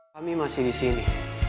kami masih di sini